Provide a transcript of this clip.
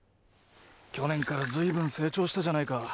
去年からずいぶん成長したじゃないか。